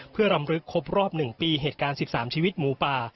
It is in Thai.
เพื่อรำลึกครบรอบ๑ปีเหตุการณ์๑๓ชีวิตหมูป่า